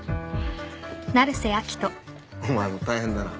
お前も大変だな